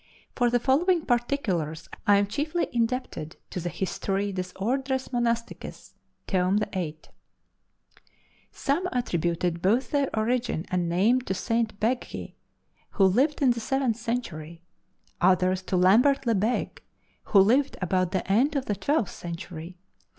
For the following particulars I am chiefly indebted to the "Histoire des Ordres Monastiques" (tome viii): Some attributed both their origin and name to St. Begghe, who lived in the seventh century; others to Lambert le Begue, who lived about the end of the twelfth century.